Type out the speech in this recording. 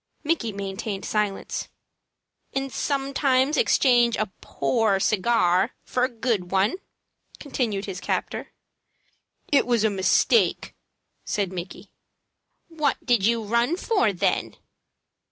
Micky maintained silence. "And sometimes exchange a poor cigar for a good one?" continued his captor. "It was a mistake," said Micky. "What did you run for, then?"